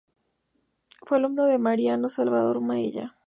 Fue alumno de Mariano Salvador Maella.